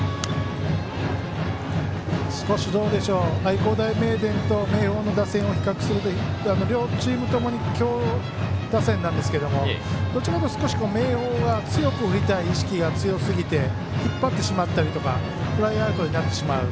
少し愛工大名電と明豊の打線を比較すると、両チームともに強打線なんですけれどもどちらかというと少し明豊が強く振りたい意識が強すぎて引っ張ってしまったりとかフライアウトになってしまう。